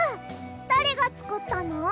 だれがつくったの？